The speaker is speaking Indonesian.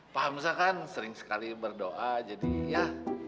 pak hamzah kan sering sekali berdoa jadi ya